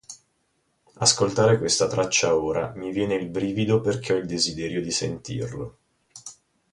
Ascoltare questa traccia ora mi viene il brivido perché ho il desiderio di sentirlo.